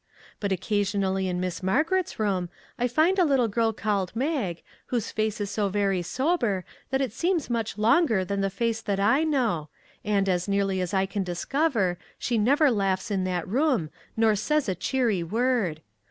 But occasionally in Miss Margaret's room I find a little girl called Mag, whose face is so very sober that it seems much longer than the face that I know, and, as nearly as I can dis cover, she never laughs in that room, nor says a cheery word.